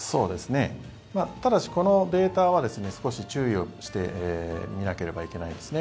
ただし、このデータは少し注意して見なければいけないんですね。